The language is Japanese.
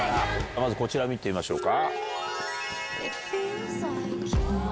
まずこちら見てみましょうか。